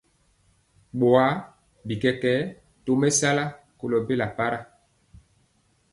Boa bi kɛkɛɛ tomesala kolo bela para.